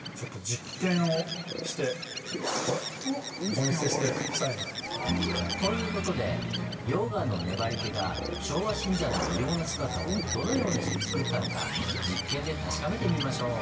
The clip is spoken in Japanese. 実験あるんですか。という事で溶岩の粘りけが昭和新山の異様な姿をどのようにしてつくったのか実験で確かめてみましょう！